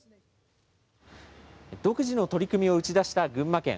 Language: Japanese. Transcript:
独自の取り組みを打ち出した群馬県。